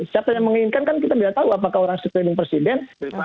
siapa yang menginginkan kan kita tidak tahu apakah orang sekeliling presiden